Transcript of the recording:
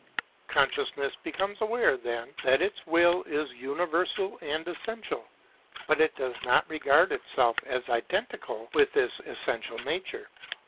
Consciousness becomes aware, then, that its will is universal and essential, but it does not regard itself as identical with this essential nature.